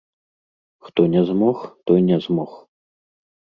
Хто не змог, той не змог.